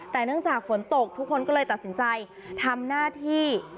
แต่เนื่องจากฝนตกทุกคนก็เลยตัดสินใจทำหน้าที่